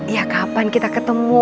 ya kapan kita ketemu